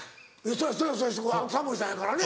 そりゃそうタモリさんやからね。